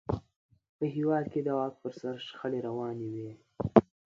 په هېواد کې د واک پر سر شخړې روانې وې.